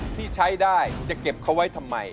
ที่ใช้ได้จะเก็บเขาไว้ทำไม